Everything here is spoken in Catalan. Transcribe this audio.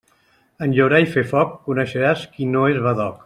En llaurar i fer foc coneixeràs qui no és badoc.